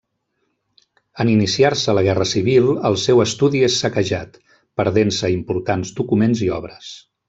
En iniciar-se la Guerra Civil, el seu estudi és saquejat, perdent-se importants documents i obres.